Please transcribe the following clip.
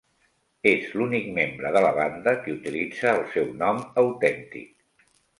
És l'únic membre de la banda que utilitza el seu nom autèntic.